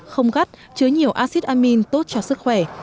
không gắt chứa nhiều acid amin tốt cho sức khỏe